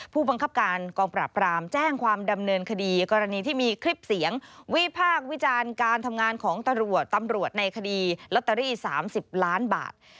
ผู้บังคับการกองปราบรามแจ้งความดำเนินคดีกรณีที่มีคลิปเสียงวิพากษ์วิจารณ์การทำงานของตำรวจตำรวจในคดีลอตเตอรี่๓๐ล้านบาท